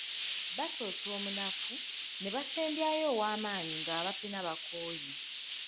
Basoosa omunafu ne basembyayo ow’amaanyi ng'abapena bakooye.